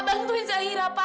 bantuin zahira pak